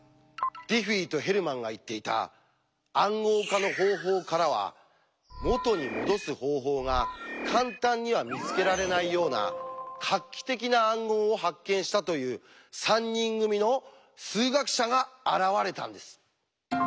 ディフィーとヘルマンが言っていた「暗号化の方法」からは「元にもどす方法」が簡単には見つけられないような画期的な暗号を発見したという３人組の数学者が現れたんです。